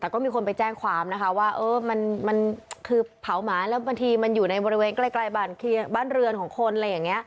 แต่ก็มีคนไปแจ้งความนะคะว่ามันคือเผาหมาแล้วบางทีมันอยู่ในบริเวณใกล้บ้านเรือนของคนอะไรอย่างนี้